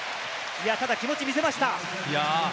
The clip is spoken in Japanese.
ただ、気持ちは見せました。